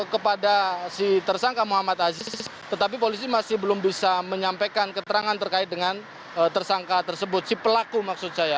kepada si tersangka muhammad aziz tetapi polisi masih belum bisa menyampaikan keterangan terkait dengan tersangka tersebut si pelaku maksud saya